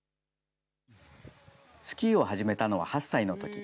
スキーを始めたのは８歳のとき。